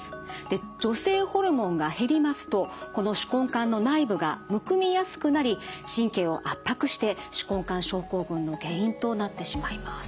で女性ホルモンが減りますとこの手根管の内部がむくみやすくなり神経を圧迫して手根管症候群の原因となってしまいます。